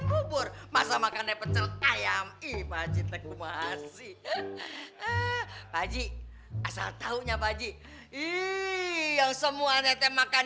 bubur masa makan pecel ayam iba cinta kumasi eh eh baji asal taunya baji ii yang semua nete makan